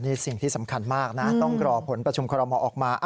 นี่สิ่งที่สำคัญมากนะต้องรอผลประชุมคอรมอออกมา